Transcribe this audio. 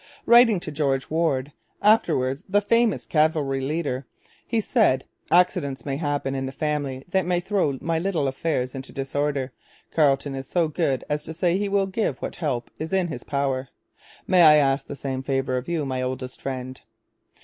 Writing to George Warde, afterwards the famous cavalry leader, he said: 'Accidents may happen in the family that may throw my little affairs into disorder. Carleton is so good as to say he will give what help is in his power. May I ask the same favour of you, my oldest friend?'